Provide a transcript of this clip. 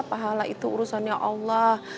pahala itu urusannya allah